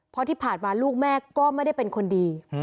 เพราะที่ผ่านมาลูกแม่ก็ไม่ได้เป็นคนดี